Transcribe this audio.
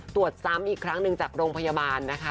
ตรวจซ้ำอีกครั้งหนึ่งจากโรงพยาบาลนะคะ